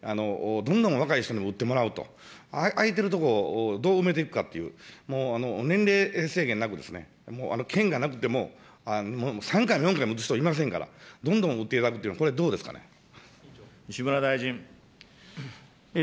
空きがあれば、どんどん若い人にも打ってもらうと、空いてる所、どう埋めていくかっていう、年齢制限なく、もう券がなくても、３回も４回も打つ人はいませんから、どんどん打っていただくというの西村大臣。